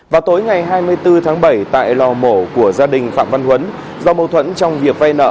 vào tối ngày hai mươi bốn tháng bảy tại lò mổ của gia đình phạm văn huấn do mâu thuẫn trong việc vay nợ